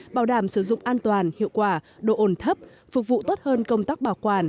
bảo đảm sử dụng an toàn hiệu quả độ ổn thấp phục vụ tốt hơn công tác bảo quản